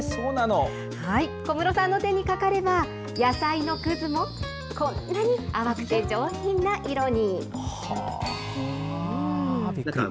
小室さんの手にかかれば、野菜のくずも、こんなに淡くて上品な色に。